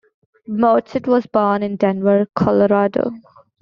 Modesitt was born in Denver, Colorado.